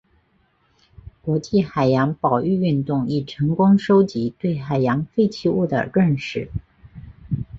国际海洋保育运动已成功收集对海洋废弃物的认识。